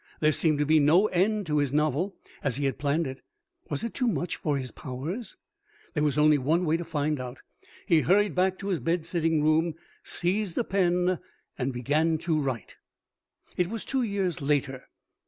There seemed to be no end to his novel as he had planned it. Was it too much for his powers? There was only one way to find out. He hurried back to his bed sitting room, seized a pen and began to write. III It was two years later.